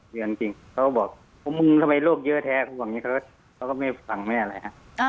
เดือนจริงเขาก็บอกพวกมึงทำไมโลกเยอะแท้เขาบอกอย่างนี้เขาก็ไม่ฟังไม่อะไรฮะ